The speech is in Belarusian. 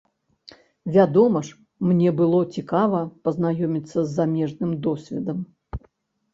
Вядома ж, мне было цікава пазнаёміцца з замежным досведам.